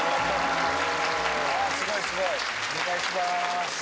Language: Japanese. すごいすごい！お願いします。